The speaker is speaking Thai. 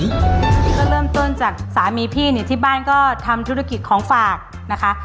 ก็เริ่มต้นจากสามีพี่เนี่ยที่บ้านก็ทำธุรกิจของฝากนะคะ